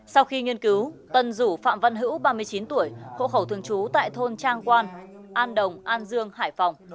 sau khi nghiên cứu tân rủ phạm văn hữu ba mươi chín tuổi hộ khẩu thường trú tại thôn trang quan an đồng an dương hải phòng